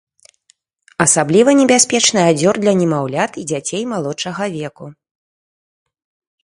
Асабліва небяспечны адзёр для немаўлят і дзяцей малодшага веку.